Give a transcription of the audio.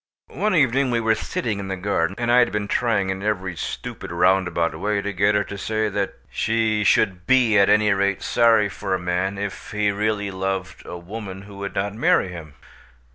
One evening we were sitting in the garden, and I had been trying in every stupid roundabout way to get her to say that she should be at any rate sorry for a man, if he really loved a woman who would not marry him.